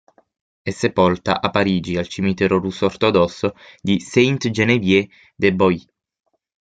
È sepolta a Parigi al cimitero russo ortodosso di Sainte-Geneviève-des-Bois.